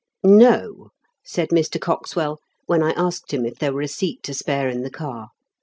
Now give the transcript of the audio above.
"No," said Mr. Coxwell, when I asked him if there were a seat to spare in the car.